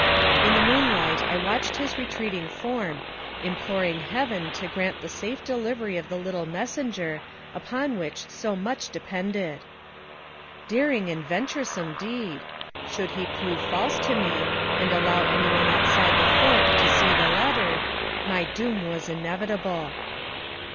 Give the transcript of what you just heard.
In the moonlight I watched his retreating form, imploring Heaven to grant the safe delivery of the little messenger, upon which so much depended. Daring and venturesome deed! Should he prove false to me, and allow any one outside the fort to see the letter, my doom was inevitable.